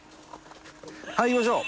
入りましょう。